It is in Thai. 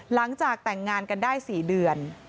หลังจากแต่งงานกันได้๔เดือน